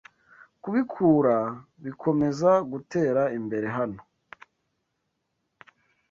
Kubikura bikomeza gutera imbere hano?